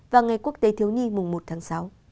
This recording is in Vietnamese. và ngày quốc tế thiếu nhi mùng một tháng sáu